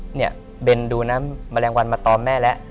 เนี่ยเบนดูน้ำแมลงวันมาตอมแม่แล้ว